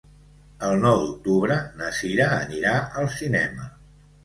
El nou d'octubre na Sira anirà al cinema.